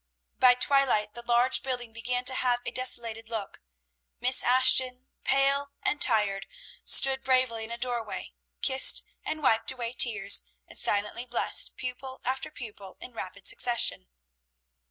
By twilight the large building began to have a desolated look. Miss Ashton, pale and tired, stood bravely in a doorway, kissed and wiped away tears, and silently blessed pupil after pupil in rapid succession.